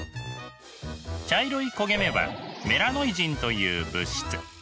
茶色い焦げ目はメラノイジンという物質。